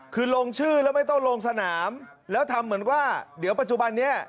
คือลงชื่อแล้วไม่ต้องลงสนามแล้วทำเหมือนว่าเดี๋ยวปัจจุบันนี้